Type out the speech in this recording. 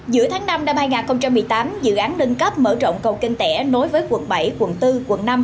giữa tháng năm năm hai nghìn một mươi tám dự án nâng cấp mở rộng cầu kênh tẻ nối với quận bảy quận bốn quận năm